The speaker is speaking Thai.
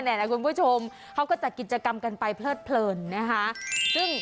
นะคุณผู้ชมเขาก็จัดกิจกรรมกันไปเพลิดเพลินนะคะซึ่ง